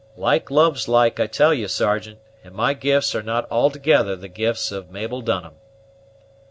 Like loves like, I tell you, Sergeant; and my gifts are not altogether the gifts of Mabel Dunham."